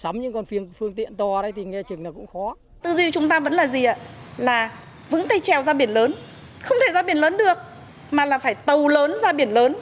mà là phải tàu lớn ra biển lớn